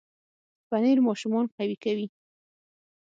پنېر ماشومان قوي کوي.